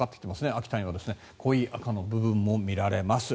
秋田には濃い赤の部分も見られます。